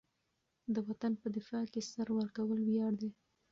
د وطن په دفاع کې سر ورکول ویاړ دی.